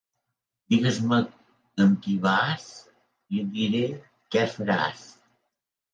Digues-me amb qui vas i et diré què faràs